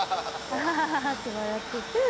アハハハハって笑ってる。